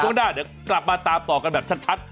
ช่วงหน้าเดี๋ยวกลับมาตามต่อกันแบบชัด